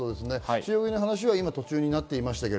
塩野義の話は今途中になっていました。